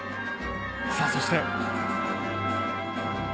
さあそして。